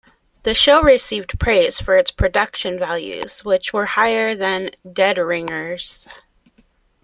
The show received praise for its production values which were higher than "Dead Ringers".